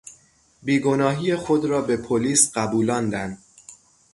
بیگناهی خود را به پلیس قبولاندن